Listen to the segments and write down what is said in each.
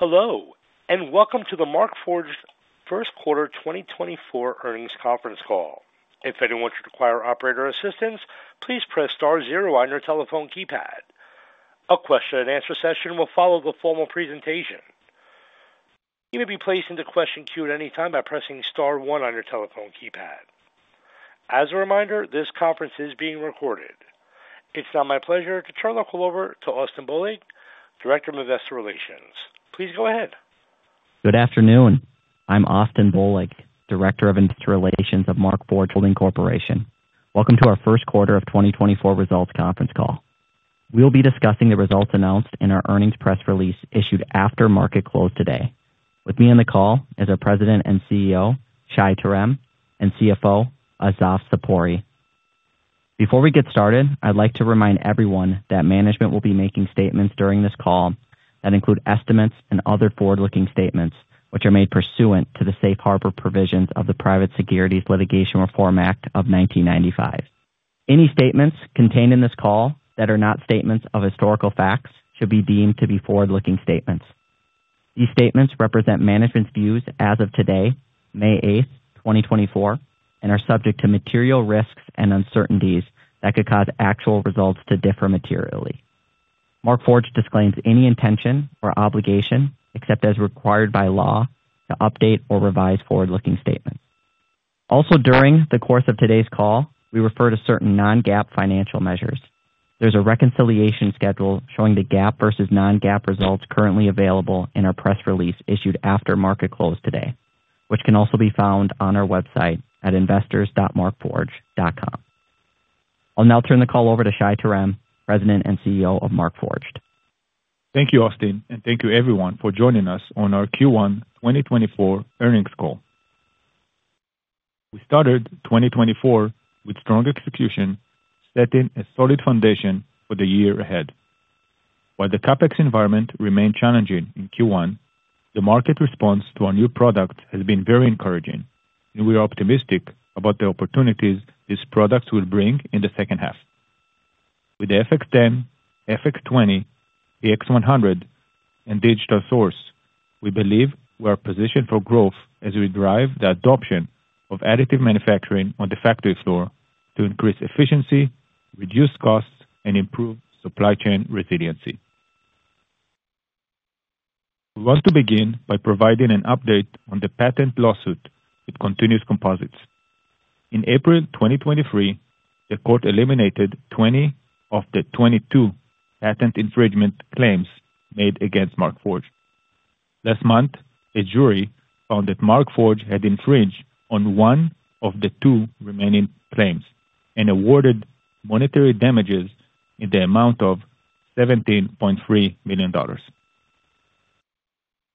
Hello, and welcome to the Markforged First Quarter 2024 Earnings Conference Call. If anyone should require operator assistance, please press star zero on your telephone keypad. A question-and-answer session will follow the formal presentation. You may be placed into question queue at any time by pressing star one on your telephone keypad. As a reminder, this conference is being recorded. It's now my pleasure to turn the call over to Austin Bohlig, Director of Investor Relations. Please go ahead. Good afternoon. I'm Austin Bohlig, Director of Investor Relations of Markforged Holding Corporation. Welcome to our first quarter of 2024 results conference call. We'll be discussing the results announced in our earnings press release issued after market close today, with me on the call as our President and CEO, Shai Terem, and CFO, Assaf Zipori. Before we get started, I'd like to remind everyone that management will be making statements during this call that include estimates and other forward-looking statements which are made pursuant to the Safe Harbor provisions of the Private Securities Litigation Reform Act of 1995. Any statements contained in this call that are not statements of historical facts should be deemed to be forward-looking statements. These statements represent management's views as of today, May 8, 2024, and are subject to material risks and uncertainties that could cause actual results to differ materially. Markforged disclaims any intention or obligation except as required by law to update or revise forward-looking statements. Also, during the course of today's call, we refer to certain non-GAAP financial measures. There's a reconciliation schedule showing the GAAP versus non-GAAP results currently available in our press release issued after market close today, which can also be found on our website at investors.markforged.com. I'll now turn the call over to Shai Terem, President and CEO of Markforged. Thank you, Austin, and thank you everyone for joining us on our Q1 2024 earnings call. We started 2024 with strong execution, setting a solid foundation for the year ahead. While the CapEx environment remained challenging in Q1, the market response to our new product has been very encouraging, and we're optimistic about the opportunities this product will bring in the second half. With the FX10, FX20, PX100, and Digital Source, we believe we are positioned for growth as we drive the adoption of additive manufacturing on the factory floor to increase efficiency, reduce costs, and improve supply chain resiliency. We want to begin by providing an update on the patent lawsuit with Continuous Composites. In April 2023, the court eliminated 20 of the 22 patent infringement claims made against Markforged. Last month, a jury found that Markforged had infringed on one of the two remaining claims and awarded monetary damages in the amount of $17.3 million.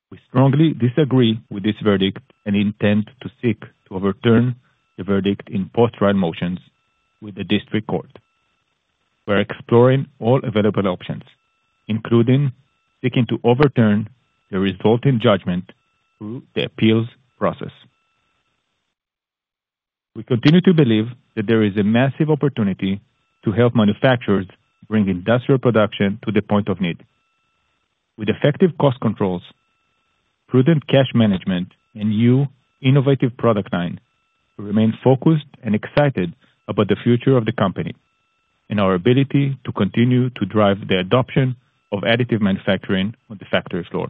We strongly disagree with this verdict and intend to seek to overturn the verdict in post-trial motions with the district court. We're exploring all available options, including seeking to overturn the resulting judgment through the appeals process. We continue to believe that there is a massive opportunity to help manufacturers bring industrial production to the point of need. With effective cost controls, prudent cash management, and a new, innovative product line, we remain focused and excited about the future of the company and our ability to continue to drive the adoption of additive manufacturing on the factory floor.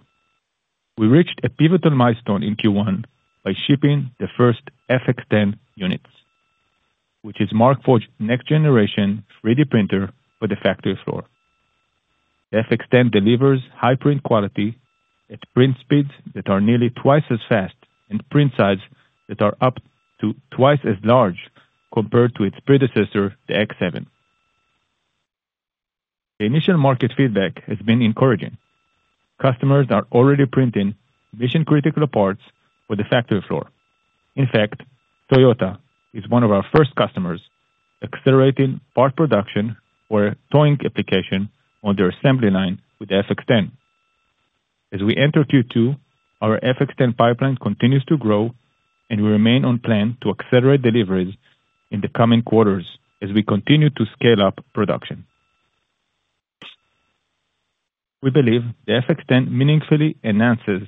We reached a pivotal milestone in Q1 by shipping the first FX10 units, which is Markforged's next-generation 3D printer for the factory floor. The FX10 delivers high print quality at print speeds that are nearly twice as fast and print sizes that are up to twice as large compared to its predecessor, the X7. The initial market feedback has been encouraging. Customers are already printing mission-critical parts for the factory floor. In fact, Toyota is one of our first customers accelerating part production or tooling application on their assembly line with the FX10. As we enter Q2, our FX10 pipeline continues to grow, and we remain on plan to accelerate deliveries in the coming quarters as we continue to scale up production. We believe the FX10 meaningfully enhances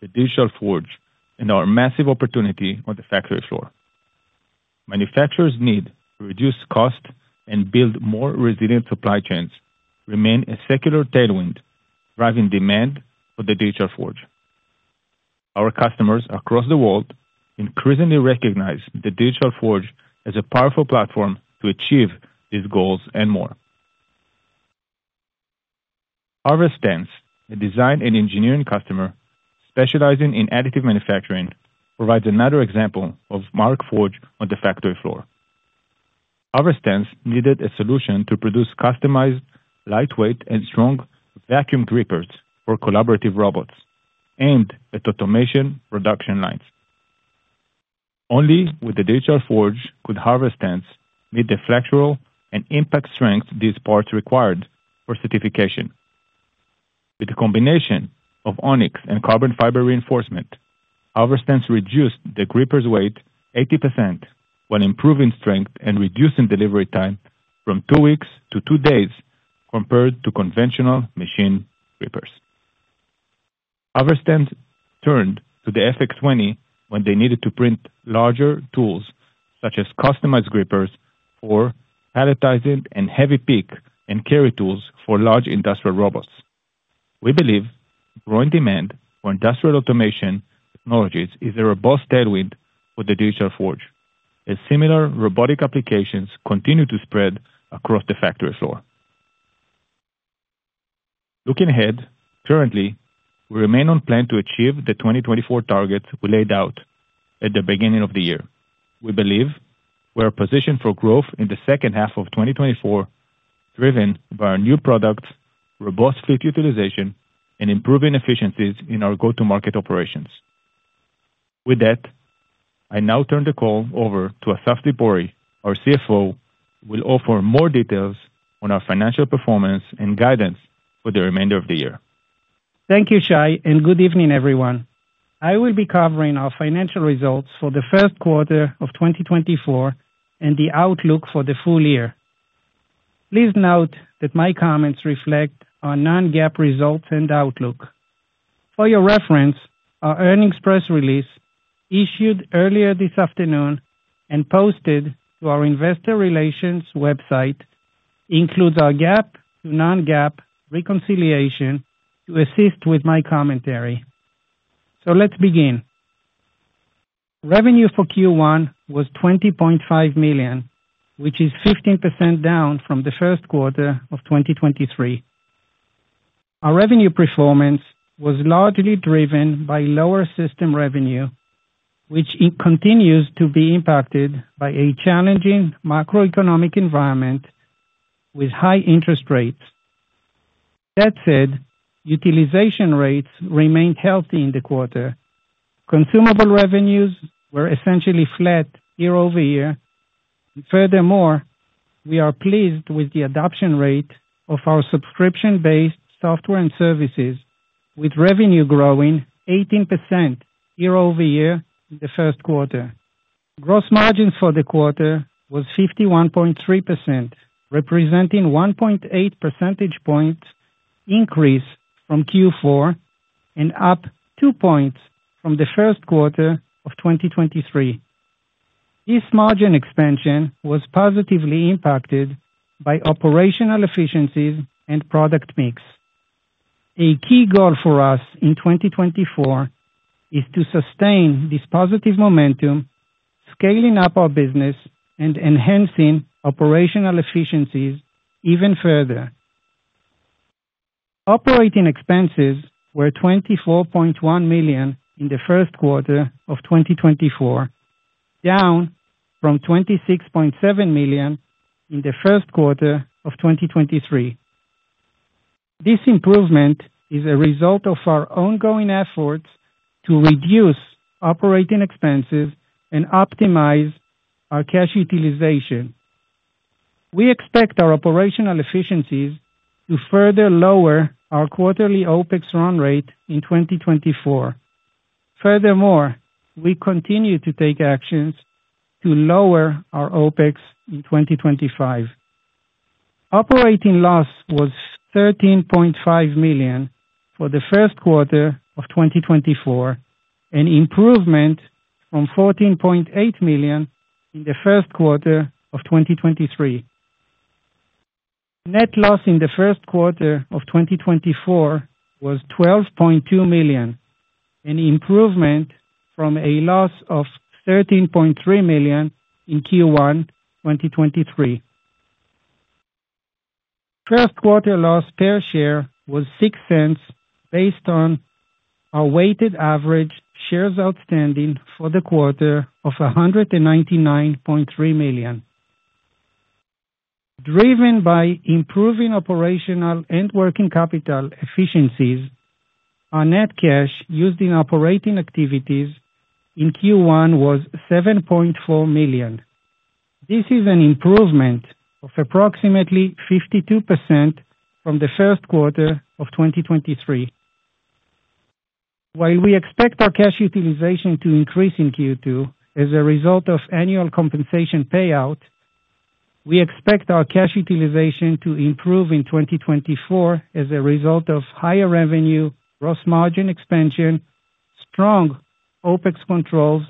the Digital Forge and our massive opportunity on the factory floor. Manufacturers' need to reduce costs and build more resilient supply chains remains a secular tailwind driving demand for the Digital Forge. Our customers across the world increasingly recognize the Digital Forge as a powerful platform to achieve these goals and more. Haerter, a design and engineering customer specializing in additive manufacturing, provides another example of Markforged on the factory floor. Haerter needed a solution to produce customized, lightweight, and strong vacuum grippers for collaborative robots aimed at automation production lines. Only with the Digital Forge could Haerter meet the structural and impact strength these parts required for certification. With a combination of Onyx and carbon fiber reinforcement, Haerter reduced the grippers' weight 80% while improving strength and reducing delivery time from two weeks to two days compared to conventional machine grippers. Haerter turned to the FX20 when they needed to print larger tools such as customized grippers for palletizing and heavy pick and carry tools for large industrial robots. We believe growing demand for industrial automation technologies is a robust tailwind for the Digital Forge, as similar robotic applications continue to spread across the factory floor. Looking ahead, currently, we remain on plan to achieve the 2024 targets we laid out at the beginning of the year. We believe we are positioned for growth in the second half of 2024, driven by our new products, robust fleet utilization, and improving efficiencies in our go-to-market operations. With that, I now turn the call over to Assaf Zipori, our CFO, who will offer more details on our financial performance and guidance for the remainder of the year. Thank you, Shai, and good evening, everyone. I will be covering our financial results for the first quarter of 2024 and the outlook for the full year. Please note that my comments reflect our non-GAAP results and outlook. For your reference, our earnings press release, issued earlier this afternoon and posted to our Investor Relations website, includes our GAAP to non-GAAP reconciliation to assist with my commentary. So let's begin. Revenue for Q1 was $20.5 million, which is 15% down from the first quarter of 2023. Our revenue performance was largely driven by lower system revenue, which continues to be impacted by a challenging macroeconomic environment with high interest rates. That said, utilization rates remained healthy in the quarter. Consumable revenues were essentially flat year-over-year. Furthermore, we are pleased with the adoption rate of our subscription-based software and services, with revenue growing 18% year-over-year in the first quarter. Gross margins for the quarter were 51.3%, representing a 1.8 percentage point increase from Q4 and up 2 points from the first quarter of 2023. This margin expansion was positively impacted by operational efficiencies and product mix. A key goal for us in 2024 is to sustain this positive momentum, scaling up our business, and enhancing operational efficiencies even further. Operating expenses were $24.1 million in the first quarter of 2024, down from $26.7 million in the first quarter of 2023. This improvement is a result of our ongoing efforts to reduce operating expenses and optimize our cash utilization. We expect our operational efficiencies to further lower our quarterly OpEx run rate in 2024. Furthermore, we continue to take actions to lower our OpEx in 2025. Operating loss was $13.5 million for the first quarter of 2024, an improvement from $14.8 million in the first quarter of 2023. Net loss in the first quarter of 2024 was $12.2 million, an improvement from a loss of $13.3 million in Q1 2023. First quarter loss per share was $0.06 based on our weighted average shares outstanding for the quarter of 199.3 million. Driven by improving operational and working capital efficiencies, our net cash used in operating activities in Q1 was $7.4 million. This is an improvement of approximately 52% from the first quarter of 2023. While we expect our cash utilization to increase in Q2 as a result of annual compensation payout, we expect our cash utilization to improve in 2024 as a result of higher revenue, gross margin expansion, strong OpEx controls,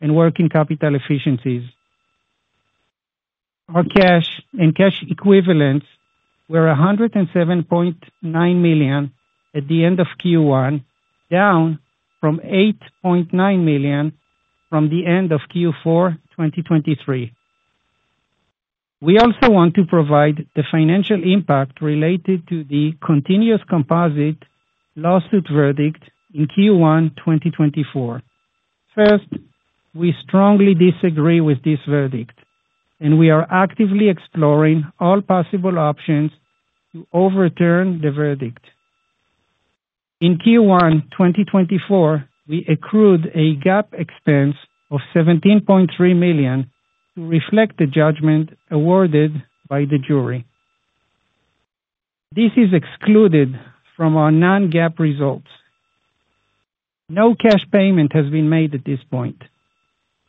and working capital efficiencies. Our cash and cash equivalents were $107.9 million at the end of Q1, down from $8.9 million from the end of Q4 2023. We also want to provide the financial impact related to the Continuous Composites lawsuit verdict in Q1 2024. First, we strongly disagree with this verdict, and we are actively exploring all possible options to overturn the verdict. In Q1 2024, we accrued a GAAP expense of $17.3 million to reflect the judgment awarded by the jury. This is excluded from our non-GAAP results. No cash payment has been made at this point.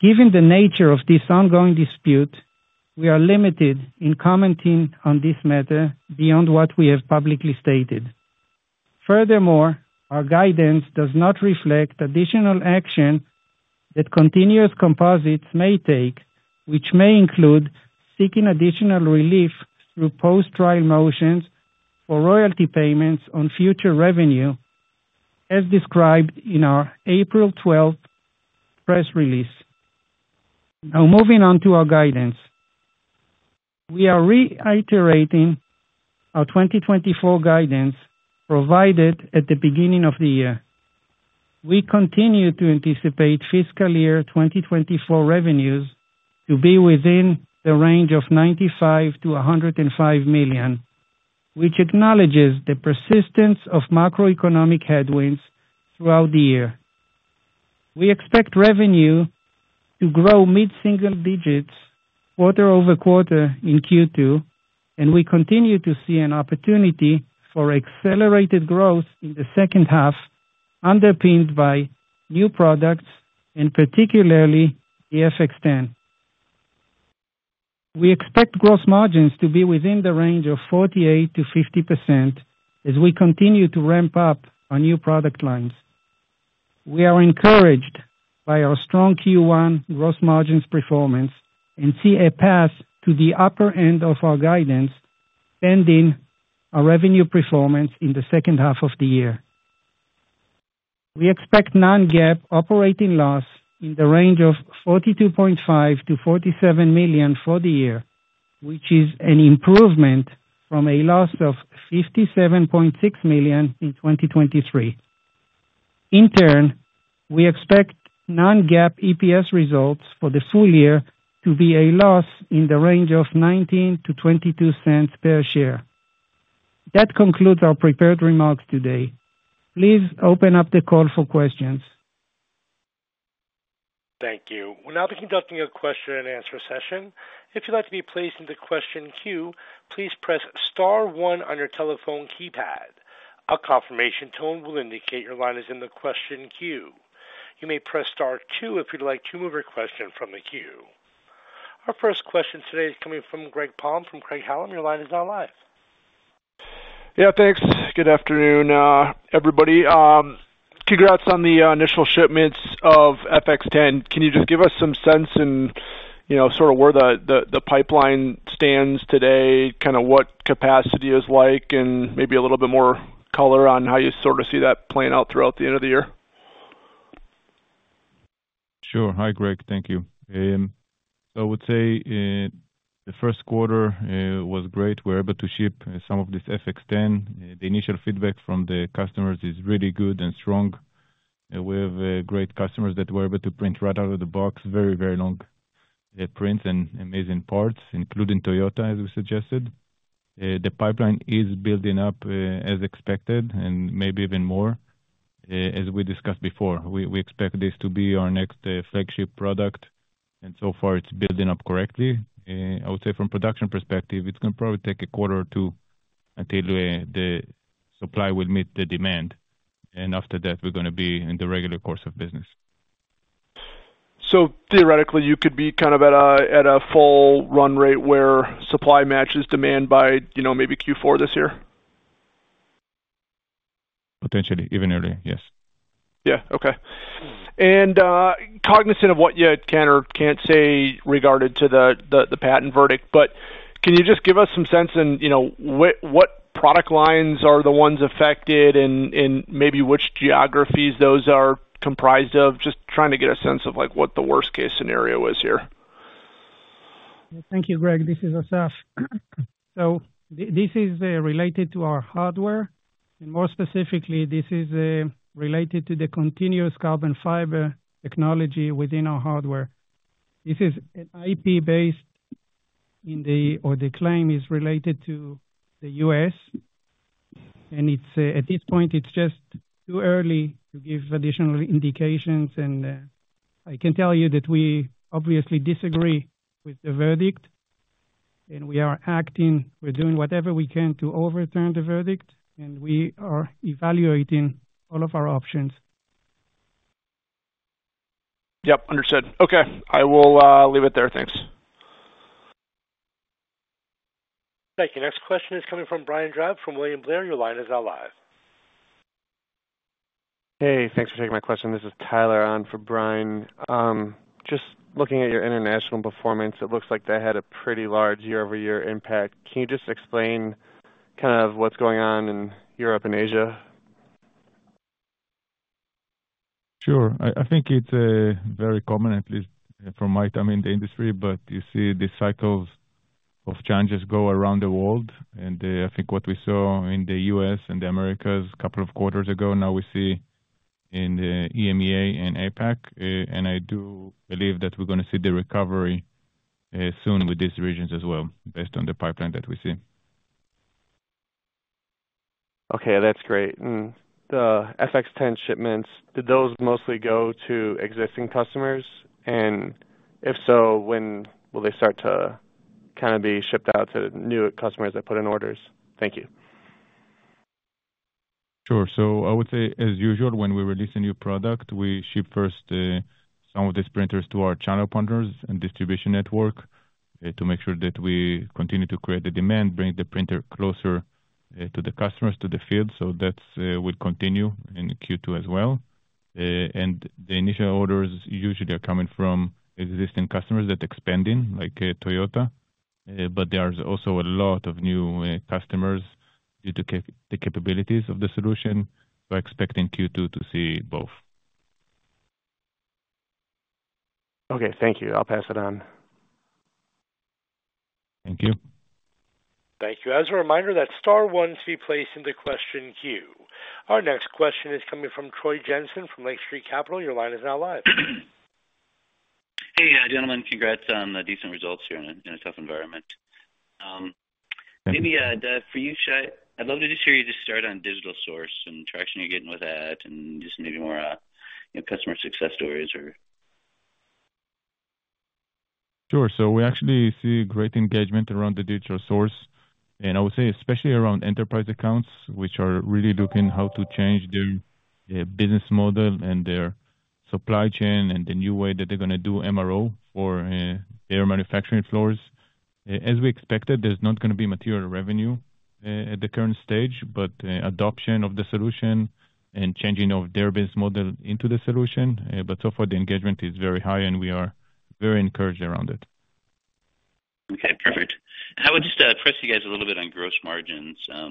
Given the nature of this ongoing dispute, we are limited in commenting on this matter beyond what we have publicly stated. Furthermore, our guidance does not reflect additional action that Continuous Composites may take, which may include seeking additional relief through post-trial motions for royalty payments on future revenue, as described in our April 12th press release. Now, moving on to our guidance. We are reiterating our 2024 guidance provided at the beginning of the year. We continue to anticipate fiscal year 2024 revenues to be within the range of $95-$105 million, which acknowledges the persistence of macroeconomic headwinds throughout the year. We expect revenue to grow mid-single digits quarter-over-quarter in Q2, and we continue to see an opportunity for accelerated growth in the second half underpinned by new products and particularly the FX10. We expect gross margins to be within the range of 48%-50% as we continue to ramp up our new product lines. We are encouraged by our strong Q1 gross margins performance and see a path to the upper end of our guidance pending our revenue performance in the second half of the year. We expect non-GAAP operating loss in the range of $42.5-$47 million for the year, which is an improvement from a loss of $57.6 million in 2023. In turn, we expect non-GAAP EPS results for the full year to be a loss in the range of $0.19-$0.22 per share. That concludes our prepared remarks today. Please open up the call for questions. Thank you. We're now conducting a question-and-answer session. If you'd like to be placed into question queue, please press star one on your telephone keypad. A confirmation tone will indicate your line is in the question queue. You may press star two if you'd like to move your question from the queue. Our first question today is coming from Greg Palm from Craig-Hallum. Your line is now live. Yeah, thanks. Good afternoon, everybody. Kicking out some of the initial shipments of FX10. Can you just give us some sense and sort of where the pipeline stands today, kind of what capacity it's like, and maybe a little bit more color on how you sort of see that playing out throughout the end of the year? Sure. Hi, Greg. Thank you. So I would say the first quarter was great. We were able to ship some of this FX10. The initial feedback from the customers is really good and strong. We have great customers that were able to print right out of the box, very, very long prints and amazing parts, including Toyota, as we suggested. The pipeline is building up as expected and maybe even more. As we discussed before, we expect this to be our next flagship product, and so far it's building up correctly. I would say from a production perspective, it's going to probably take a quarter or two until the supply will meet the demand, and after that, we're going to be in the regular course of business. Theoretically, you could be kind of at a full run rate where supply matches demand by maybe Q4 this year? Potentially, even earlier, yes. Yeah. Okay. And cognizant of what you can or can't say regarding the patent verdict, but can you just give us some sense in what product lines are the ones affected and maybe which geographies those are comprised of? Just trying to get a sense of what the worst-case scenario is here. Thank you, Greg. This is Assaf. This is related to our hardware. More specifically, this is related to the continuous carbon fiber technology within our hardware. This is an IP-based. The claim is related to the US. At this point, it's just too early to give additional indications. I can tell you that we obviously disagree with the verdict, and we are acting. We're doing whatever we can to overturn the verdict, and we are evaluating all of our options. Yep, understood. Okay. I will leave it there. Thanks. Thank you. Next question is coming from Brian Drab from William Blair. Your line is now live. Hey, thanks for taking my question. This is Tyler on for Brian. Just looking at your international performance, it looks like they had a pretty large year-over-year impact. Can you just explain kind of what's going on in Europe and Asia? Sure. I think it's very common, at least from my time in the industry, but you see these cycles of changes go around the world. And I think what we saw in the US and the Americas a couple of quarters ago, now we see in EMEA and APAC. And I do believe that we're going to see the recovery soon with these regions as well, based on the pipeline that we see. Okay. That's great. And the FX10 shipments, did those mostly go to existing customers? And if so, when will they start to kind of be shipped out to new customers that put in orders? Thank you. Sure. So I would say, as usual, when we release a new product, we ship first some of these printers to our channel partners and distribution network to make sure that we continue to create the demand, bring the printer closer to the customers, to the field. So that will continue in Q2 as well. And the initial orders usually are coming from existing customers that are expanding, like Toyota. But there are also a lot of new customers due to the capabilities of the solution. So I expect in Q2 to see both. Okay. Thank you. I'll pass it on. Thank you. Thank you. As a reminder, that star 1 should be placed into question queue. Our next question is coming from Troy Jensen from Lake Street Capital. Your line is now live. Hey, gentlemen. Congrats on the decent results here in a tough environment. Maybe, that's, for you, Shai, I'd love to just hear you just start on Digital Source and traction you're getting with that and just maybe more customer success stories or. Sure. So we actually see great engagement around the Digital Source. And I would say especially around enterprise accounts, which are really looking how to change their business model and their supply chain and the new way that they're going to do MRO for their manufacturing floors. As we expected, there's not going to be material revenue at the current stage, but adoption of the solution and changing of their business model into the solution. But so far, the engagement is very high, and we are very encouraged around it. Okay. Perfect. I would just press you guys a little bit on gross margins. I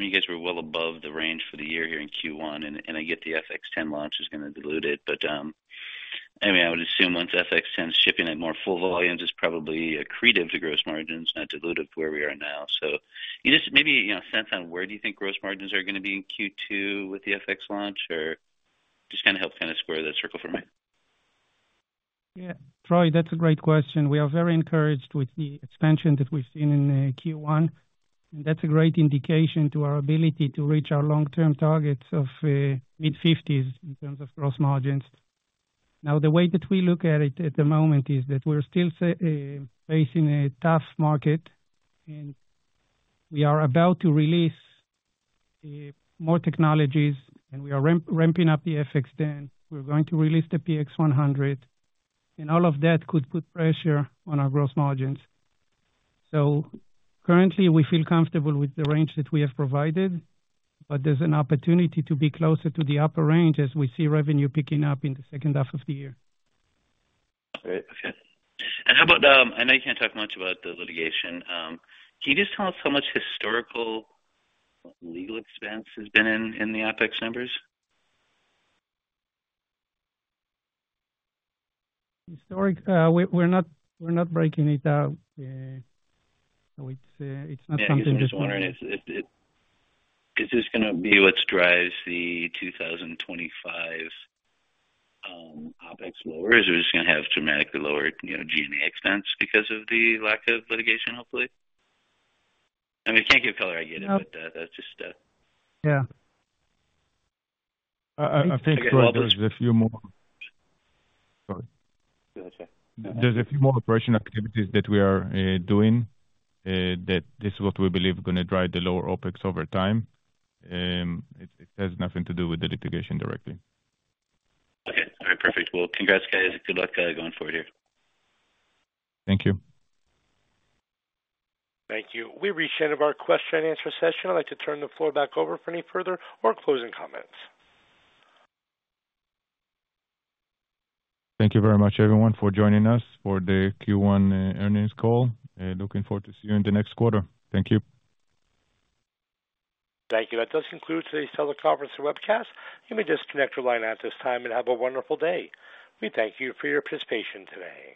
mean, you guys were well above the range for the year here in Q1, and I get the FX10 launch is going to dilute it. But I mean, I would assume once FX10 is shipping at more full volumes, it's probably accretive to gross margins, not dilutive to where we are now. So maybe a sense on where do you think gross margins are going to be in Q2 with the FX launch? Or just kind of help kind of square that circle for me. Yeah. Troy, that's a great question. We are very encouraged with the expansion that we've seen in Q1, and that's a great indication to our ability to reach our long-term targets of mid-50s in terms of gross margins. Now, the way that we look at it at the moment is that we're still facing a tough market, and we are about to release more technologies, and we are ramping up the FX10. We're going to release the PX100, and all of that could put pressure on our gross margins. So currently, we feel comfortable with the range that we have provided, but there's an opportunity to be closer to the upper range as we see revenue picking up in the second half of the year. Great. Okay. And how about, I know you can't talk much about the litigation. Can you just tell us how much historical legal expense has been in the EPS numbers? We're not breaking it down. So it's not something that's new. Yeah. I was just wondering, is this going to be what drives the 2025 OpEx lower, or is it just going to have dramatically lower G&A expense because of the lack of litigation, hopefully? I mean, if you can't give color, I get it, but that's just. Yeah. I think, Troy, there's a few more. Sorry. Go ahead, Shai. There's a few more operational activities that we are doing that this is what we believe is going to drive the lower OpEx over time. It has nothing to do with the litigation directly. Okay. All right. Perfect. Well, congrats, guys, and good luck going forward here. Thank you. Thank you. We reached the end of our question-and-answer session. I'd like to turn the floor back over for any further or closing comments. Thank you very much, everyone, for joining us for the Q1 earnings call. Looking forward to seeing you in the next quarter. Thank you. Thank you. That does conclude today's teleconference and webcast. You may disconnect your line at this time and have a wonderful day. We thank you for your participation today.